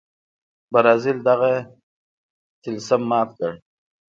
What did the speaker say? برازیل دغه طلسم مات کړ.